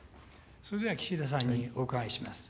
それでは岸田さんにお伺いします。